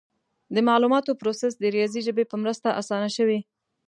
د معلوماتو پروسس د ریاضي ژبې په مرسته اسانه شوی.